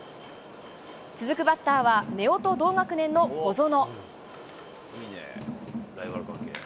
続くバッターは、根尾と同学年の小園。